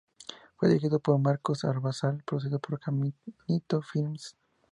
Fue dirigido por Marcos Oyarzábal, producido por Caminito Films.